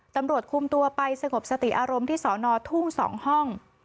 ตำรวจคุมตัวไปสงบสติอารมณ์ที่สอนอทุ่ง๒ห้อง